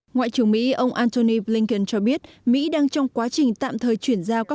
ngoại trưởng mỹ ông antony blinken cho biết mỹ đang trong quá trình tạm thời chuyển giao các